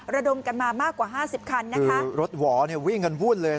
ระดมกันมามากกว่าห้าสิบคันนะคะคือรถหวอเนี่ยวิ่งกันวุ่นเลย